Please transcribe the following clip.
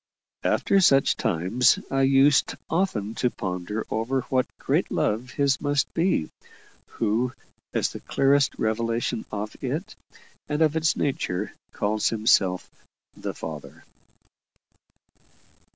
After such times I used often to ponder over what great love His must be, who, as the clearest revelation of it, and of its nature, calls Himself "the Father."